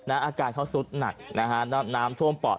อาการเขาสุดหนักนะฮะน้ำท่วมปอด